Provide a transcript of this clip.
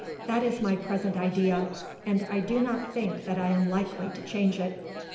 That is my present idea, and I do not think that I am likely to change it.